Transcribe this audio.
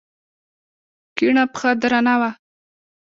کيڼه پښه درنه وه.